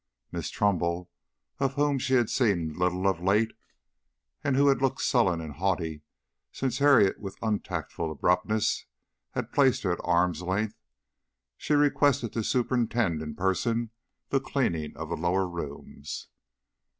Miss Trumbull, of whom she had seen little of late, and who had looked sullen and haughty since Harriet with untactful abruptness had placed her at arm's length, she requested to superintend in person the cleaning of the lower rooms.